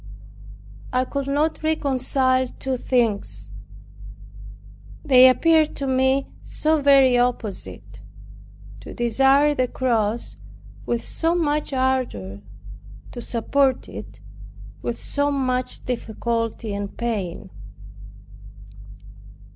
I could not reconcile two things, they appeared to me so very opposite. 1) To desire the cross with so much ardor. 2) To support it with so much difficulty and pain.